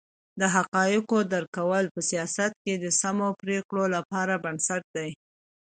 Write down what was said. د حقایقو درک کول په سیاست کې د سمو پرېکړو لپاره بنسټ دی.